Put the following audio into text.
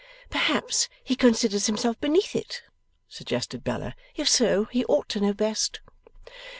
'Perhaps he considers himself beneath it,' suggested Bella. 'If so, he ought to know best.